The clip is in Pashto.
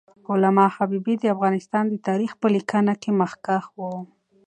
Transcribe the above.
علامه حبیبي د افغانستان د تاریخ په لیکنه کې مخکښ و.